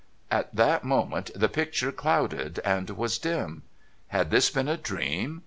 At that moment the picture clouded and was dim. Had this been a dream?